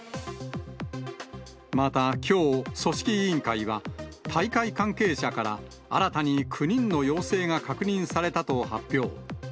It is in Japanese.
また、きょう組織委員会は、大会関係者から新たに９人の陽性が確認されたと発表。